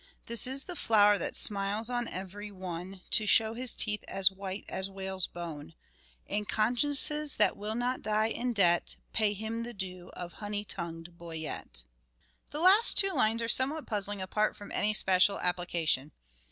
This is the flower that smiles on every one, To show his teeth as white as whale's bone ; And consciences that will not die in debt, Pay him the due of honey tongued Boyet." The last two lines are somewhat puzzling apart from any special application.